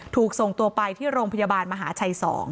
ถูกส่งตัวไปที่โรงพยาบาลมหาชัย๒